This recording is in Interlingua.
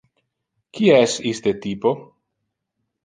Qui es iste typo?